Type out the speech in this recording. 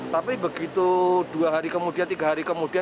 tapi begitu dua hari kemudian tiga hari kemudian